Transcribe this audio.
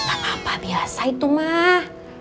apa apa biasa itu mah